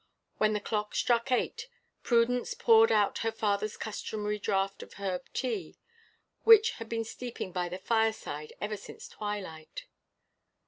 When the clock struck eight, Prudence poured out her father's customary draught of herb tea, which had been steeping by the fireside ever since twilight.